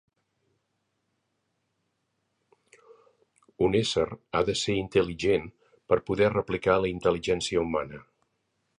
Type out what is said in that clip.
Un ésser ha de ser intel·ligent per poder replicar la intel·ligència humana.